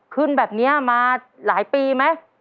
ขึ้นแบบนี้มาหลายปีไหม